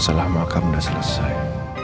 masalah makam udah selesai